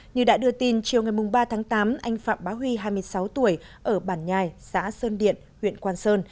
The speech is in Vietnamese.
như đã đưa tin chiều ngày ba tháng tám anh phạm bá huy hai mươi sáu tuổi ở bản nhai xã sơn điện huyện quang sơn